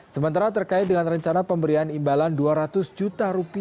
sementara terkait dengan rencana pemberian imbalan rp dua ratus juta